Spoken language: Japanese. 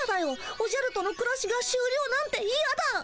おじゃるとのくらしがしゅうりょうなんていやだ。